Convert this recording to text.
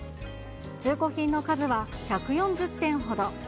中古品の数は１４０点ほど。